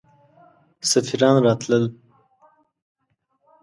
سفیران راتلل.